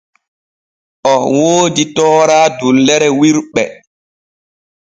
O woodi toora dullere wirɓe.